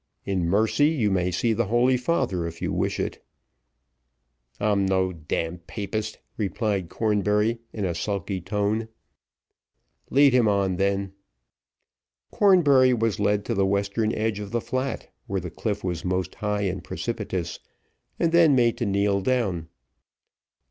In mercy, you may see the holy father, if you wish it." "I'm no d d papist," replied Cornbury, in a sulky tone. "Lead him on then." Cornbury was led to the western edge of the flat, where the cliff was most high and precipitous, and then made to kneel down.